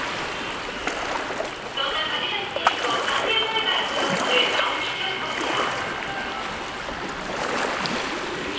そんな梶谷選手を３年前から指導する青木翔コーチは。